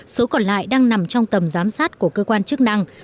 số còn lại đang nằm trong tầm giám sát của cơ quan chức năng